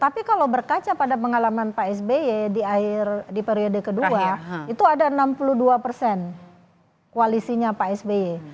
tapi kalau berkaca pada pengalaman pak sby di periode kedua itu ada enam puluh dua persen koalisinya pak sby